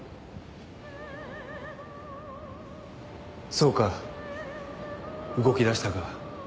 そうか動きだしたか。